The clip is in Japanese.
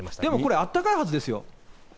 でもこれ、あったかいはずですよ。